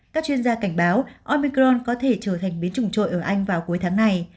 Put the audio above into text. các chuyên gia cảnh báo omicron có thể trở thành biến chủng trội